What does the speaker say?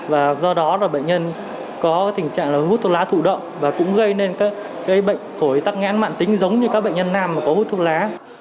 và do đó là bệnh nhân có tình trạng là hút thuốc lá thụ động và cũng gây nên cái bệnh phối tăng em mạng tính giống như các bệnh nhân nam mà có hút thuốc lá